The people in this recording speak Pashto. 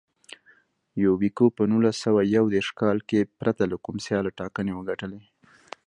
یوبیکو په نولس سوه یو دېرش کال کې پرته له کوم سیاله ټاکنې وګټلې.